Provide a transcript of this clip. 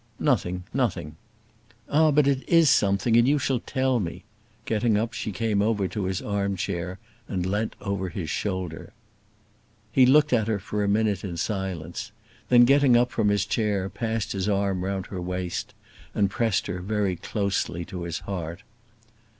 "Nothing, nothing." "Ah, but it is something, and you shall tell me;" getting up, she came over to his arm chair, and leant over his shoulder. He looked at her for a minute in silence, and then, getting up from his chair, passed his arm round her waist, and pressed her closely to his heart.